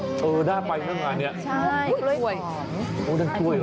อื้อน่าไปข้างหลัง